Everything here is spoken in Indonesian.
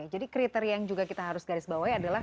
jadi kriteria yang juga kita harus garis bawahnya adalah